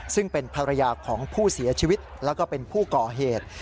ซึ่งเป็นภรรยาของผู้เสียชีวิตแล้วก็เป็นผู้ก่อเหตุ